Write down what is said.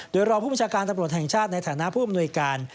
โดยรองผู้บัญชาการตำรวจแห่งชาติในฐานะผู้อำนวยการ